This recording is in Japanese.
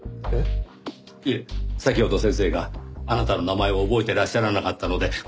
いえ先ほど先生があなたの名前を覚えてらっしゃらなかったので。